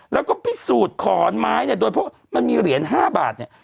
แล้วก็พิสูจน์ขอนไม้เนี่ยโดยพวกมันมีเหรียญ๕บาทเนี่ย